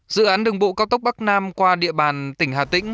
dự án đường bộ cao tốc bắc nam qua địa bàn tỉnh hà tĩnh